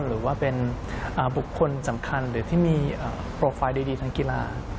หรือว่าเป็นบุคคลสำคัญหรือที่มีโปรไฟล์ดีทางกีฬา